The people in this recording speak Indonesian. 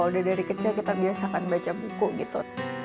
udah dari kecil kita biasakan baca buku gitu